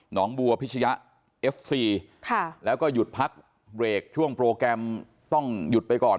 น้องบัวพิชยะเอฟซีแล้วก็หยุดพักเบรกช่วงโปรแกรมต้องหยุดไปก่อน